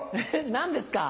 何ですか？